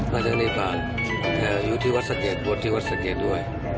มาจากนี่บ้างแต่อยู่ที่วัดสะเกรดบทที่วัดสะเกรดด้วย